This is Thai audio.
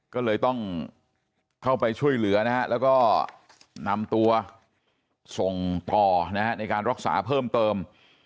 ก็เลยต้องเข้าไปช่วยเหลือนะฮะแล้วก็นำตัวส่งต่อในการรักษาเพิ่มเติม